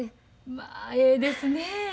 まあええですねえ。